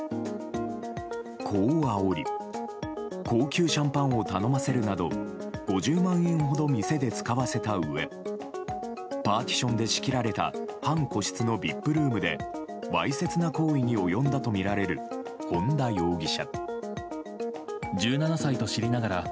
こう、あおり高級シャンパンを頼ませるなど５０万円ほど店で使わせたうえパーティションで仕切られた半個室のＶＩＰルームでわいせつな行為に及んだとみられる本田容疑者。